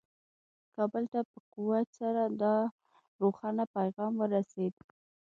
کابل ته په قوت سره دا روښانه پیغام ورسېد.